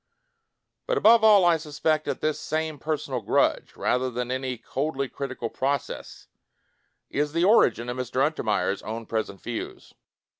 But, above all, I suspect that this same personal grudge, rather than any coldly critical process, is the origin of Mr. Untermeyer's own present views.